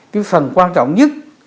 cái phần quan trọng nhất